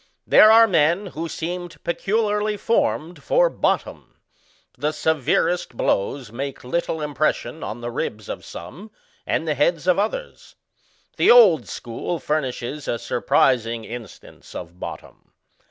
There are men who seemed peculiarly formed for bottom. The severest blows make little impression on the ribs of some, and the heads of others. The Old School furnishes a sur prising instance of bottom.